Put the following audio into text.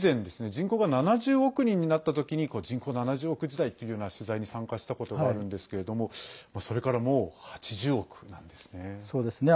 人口が７０億人になった時に人口７０億時代っていうような取材に参加したことがあるんですけれどもそれから、もう８０億なんですね。